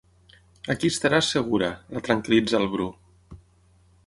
Aquí estaràs segura —la tranquil·litza el Bru.